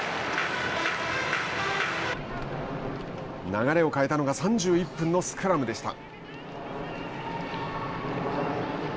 流れを変えたのが、３１分のスクラムでした。